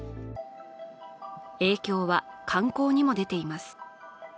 影響は観光にも出ています。